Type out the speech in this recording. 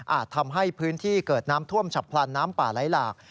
ทำให้พื้นที่เกิดน้ำท่วมฉับพลันน้ำป่าไหลหลาก